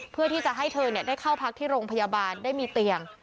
เพื่อที่จะให้เธอได้เข้าพักที่โรงพยาบาลได้มีเตียง